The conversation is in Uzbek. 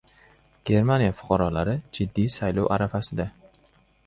Germaniya fuqarolari jiddiy saylov arafasida